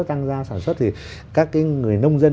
tăng ra sản xuất thì các người nông dân